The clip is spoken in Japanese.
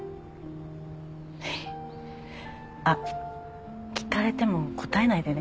あっ聞かれても答えないでね。